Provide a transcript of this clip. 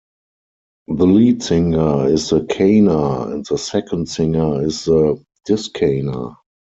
The lead singer is the "kaner", and the second singer is the "diskaner".